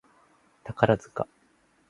宝塚